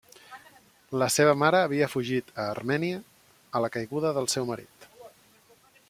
La seva mare havia fugit a Armènia a la caiguda del seu marit.